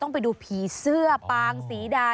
ต้องไปดูผีเสื้อปางสีดา